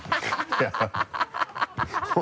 ハハハ